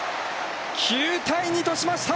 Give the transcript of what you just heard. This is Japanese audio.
９対２としました。